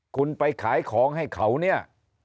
คุณไปขายของให้เขาเนี่ย